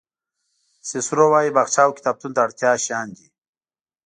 سیسرو وایي باغچه او کتابتون د اړتیا شیان دي.